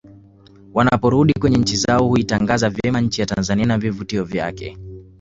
Wanaporudi kwenye nchi zao huitangaza vyema nchi ya Tanzania na vivutio vyake